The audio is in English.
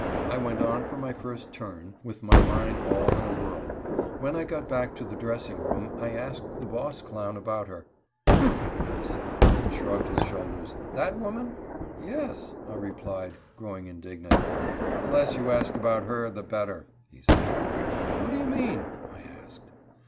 I went on for my first turn, with my mind all in a whirl. When I got back to the dressing room I asked the boss clown about her. "Humph," he said, and shrugged his shoulders. "That woman?" "Yes?" I replied, growing indignant. "The less you ask about her the better," he said. "What do you mean?" I asked.